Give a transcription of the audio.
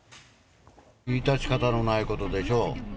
致し方のないことでしょう。